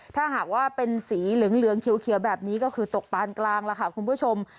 ถ้าหากว่าเป็นสีเหลืองเขียวแบบนี้ก็คือตกปานกลางแล้วค่ะคุณผู้ชม